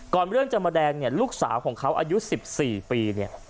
ก่อนเรื่องจำแดงลูกสาวของเขาอายุ๑๔ปี